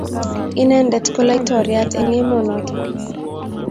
Inendet ko laitoriat eng emonoto